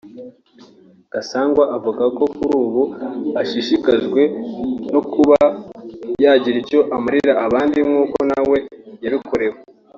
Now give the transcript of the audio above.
Gasangwa avuga ko kuri ubu ashishikajwe no kuba yagira icyo amarira abandi nk’uko na we yabikorewe